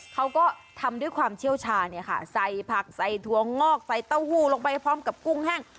เขาก็ทำด้วยความเชี่ยวชาเนี่ยค่ะใส่ผักใส่ถั่วงอกใส่เต้าหู้ลงไปพร้อมกับกุ้งแห้ง